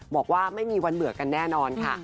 บอกว่าไม่มีวันเบื่อกันแน่นอนค่ะ